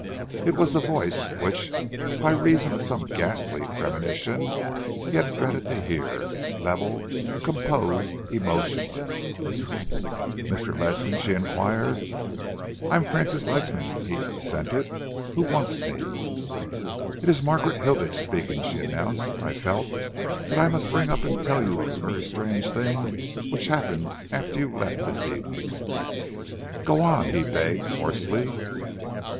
It was the voice which, by reason of some ghastly premonition, he had dreaded to hear level, composed, emotionless. "Mr. Ledsam?" she enquired. "I am Francis Ledsam," he assented. "Who wants me?" "It is Margaret Hilditch speaking," she announced. "I felt that I must ring up and tell you of a very strange thing which happened after you left this evening." "Go on," he begged hoarsely.